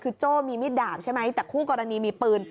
คือโจ้มีมิดดาบใช่ไหมแต่คู่กรณีมีปืน